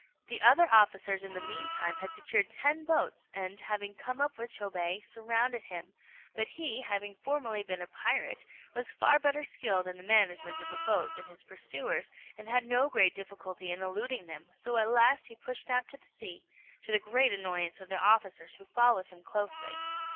The other officers in the mean time had secured ten boats, and, having come up with Chôbei, surrounded him; but he, having formerly been a pirate, was far better skilled in the management of a boat than his pursuers, and had no great difficulty in eluding them; so at last he pushed out to sea, to the great annoyance of the officers, who followed him closely.